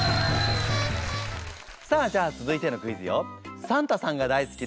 さあじゃあ続いてのクイズよ。